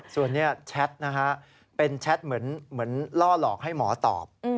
ส่วนนี้แชทนะฮะเป็นแชทเหมือนล่อหลอกให้หมอตอบ